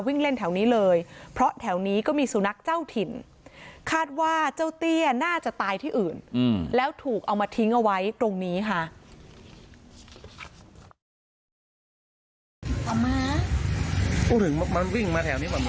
วิ่งเล่นแถวนี้เลยเพราะแถวนี้ก็มีสุนัขเจ้าถิ่นคาดว่าเจ้าเตี้ยน่าจะตายที่อื่นแล้วถูกเอามาทิ้งเอาไว้ตรงนี้ค่ะ